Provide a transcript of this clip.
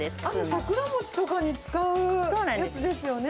桜餅とかに使うやつですよね。